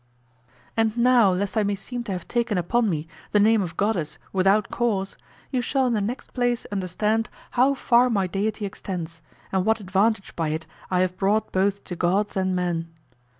And now, lest I may seem to have taken upon me the name of goddess without cause, you shall in the next place understand how far my deity extends, and what advantage by it I have brought both to gods and men.